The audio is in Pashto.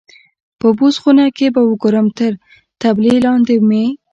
په بوس خونه کې به وګورم، تر طبیلې لاندې مې.